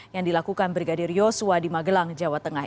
yang dilakukan brigadir yosua di magelang jawa tengah